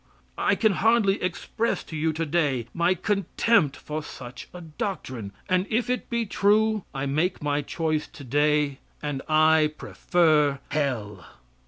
I can hardly express to you today my contempt for such a doctrine; and if it be true, I make my choice today, and I prefer hell.